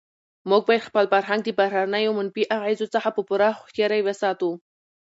موږ باید خپل فرهنګ د بهرنیو منفي اغېزو څخه په پوره هوښیارۍ وساتو.